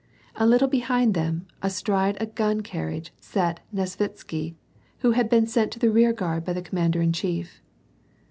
A little behind them, astride of a gun carriage, sat Nesvitsky, who had been sent to the rearguard by the commander in chief.